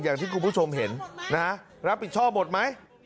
อย่างที่คุณผู้ชมเห็นนะฮะรับผิดชอบหมดไหม